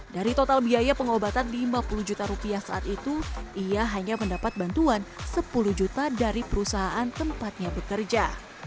dari total biaya pengobatan lima puluh juta rupiah saat itu ia hanya mendapat bantuan sepuluh juta dari perusahaan tempatnya bekerja